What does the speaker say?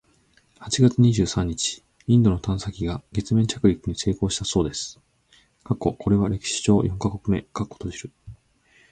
八月二十三日、インドの探査機が月面着陸に成功したそうです！（これは歴史上四カ国目！）